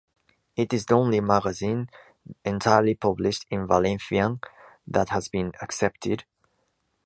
It is the only magazine entirely published in Valencian that has been accepted.